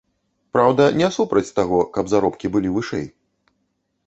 Праўда, не супраць таго, каб заробкі былі вышэй.